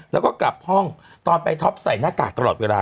แล้วก็กลับห้องตอนไปท็อปใส่หน้ากากตลอดเวลา